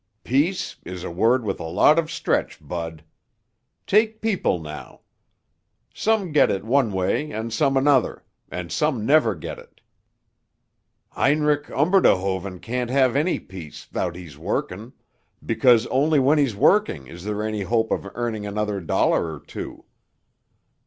"'Peace' is a word with a lot of stretch, Bud. Take people now. Some get it one way and some another, and some never get it. Heinrich Umberdehoven can't have any peace 'thout he's working, because only when he's working is there any hope of earning another dollar or two.